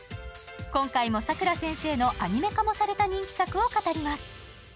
今回もさくら先生のアニメ化もされた人気作を語ります。